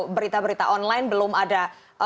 berita berita online belum ada